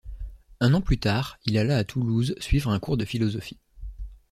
Un an plus tard, il alla à Toulouse suivre un cours de philosophie.